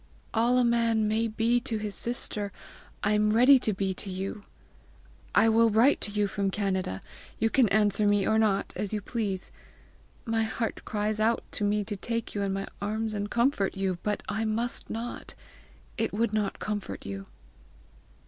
"All a man may be to his sister, I am ready to be to you. I will write to you from Canada; you can answer me or not as you please. My heart cries out to me to take you in my arms and comfort you, but I must not; it would not comfort you."